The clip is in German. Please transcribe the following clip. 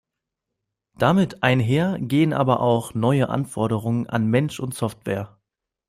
Damit einher gehen aber auch neue Anforderungen an Mensch und Software.